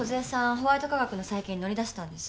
ホワイト化学の再建に乗り出したんです。